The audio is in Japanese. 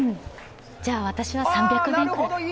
じゃ、私は３００年くらい。